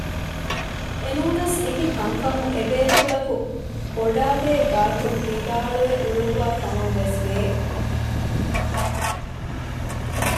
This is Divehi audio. އެނޫނަސް އެކިކަންކަމު އެބޭފުޅަކު ބޮޑާބޭ ގާތު ވިދާޅުވެ އުޅުއްވާ ކަމަށް ވެސް ވެ